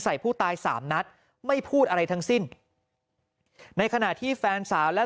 ใส่ผู้ตายสามนัดไม่พูดอะไรทั้งสิ้นในขณะที่แฟนสาวและ